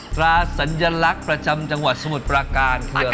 ประสัญลักษณ์ประจำจังหวัดสมุทรประการคืออะไร